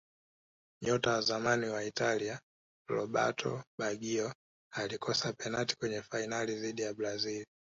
nyota wa zamani wa Italia roberto baggio alikosa penati kwenye fainali dhidi ya brazil